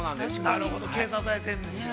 ◆なるほど、計算されてるんですよ。